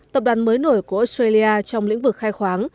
tập đoàn mới nổi của australia trong lĩnh vực khai khoáng